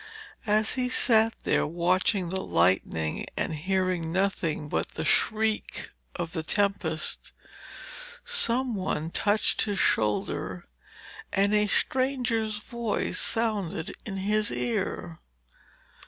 As he sat there watching the lightning and hearing nothing but the shriek of the tempest, some one touched his shoulder and a stranger's voice sounded in his ear.